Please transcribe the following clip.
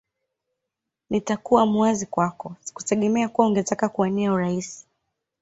Nitakuwa muwazi kwako sikutegemea kuwa ungetaka kuwania urais